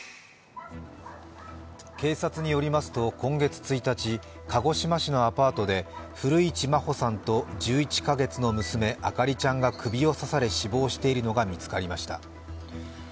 警察によりますと今月１日、鹿児島市のアパートで古市真穂さんと１１カ月の娘、明里ちゃんが首を刺され死亡しているのが見つかりました。